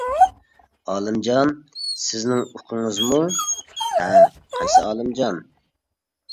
-ئالىمجان سىزنىڭ ئۇكىڭىزمۇ؟ -ھە؟ قايسى ئالىمجان.